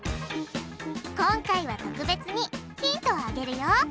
今回は特別にヒントをあげるよ！